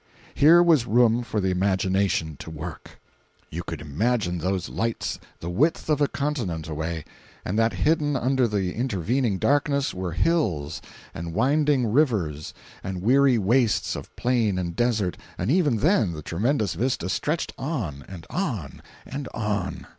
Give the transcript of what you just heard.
Here was room for the imagination to work! You could imagine those lights the width of a continent away—and that hidden under the intervening darkness were hills, and winding rivers, and weary wastes of plain and desert—and even then the tremendous vista stretched on, and on, and on!